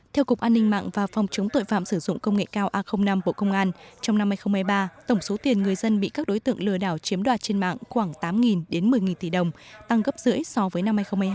theo cục an ninh mạng và phòng chống tội phạm sử dụng công nghệ cao a năm bộ công an trong năm hai nghìn một mươi ba tổng số tiền người dân bị các đối tượng lừa đảo chiếm đoạt trên mạng khoảng tám đến một mươi tỷ đồng tăng gấp rưỡi so với năm hai nghìn hai mươi hai